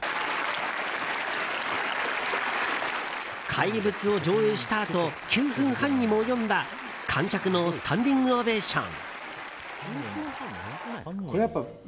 「怪物」を上映したあと９分半にも及んだ観客のスタンディングオベーション。